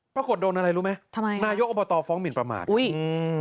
ปรากฎโดนอะไรรู้ไหมนายกอบตฟ้องหมินประมาทนะครับอุ๊ย